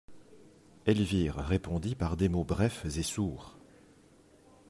Elvire répondit par des mots brefs et sourds.